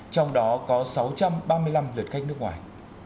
trong đó có sáu trăm ba mươi năm lượt khách nước ngoài